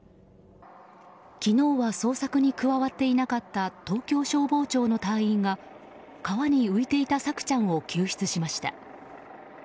昨日は捜索に加わっていなかった東京消防庁の隊員が川に浮いている朔ちゃんを救出しました。